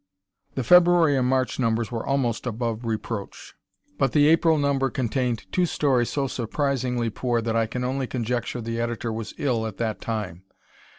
The February and March numbers were almost above reproach, but the April number contained two stories so surprisingly poor that I can only conjecture the Editor was ill at that time.